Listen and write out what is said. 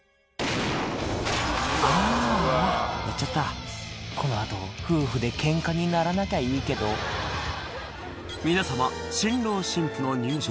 ああやっちゃったこの後夫婦でケンカにならなきゃいいけど「皆さま新郎新婦の入場です」